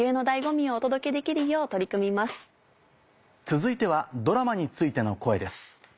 続いてはドラマについての声です。